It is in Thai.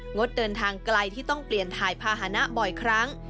งดเดินทางไกลที่ต้องเปลี่ยนถ่ายภาษณะบ่อยครั้ง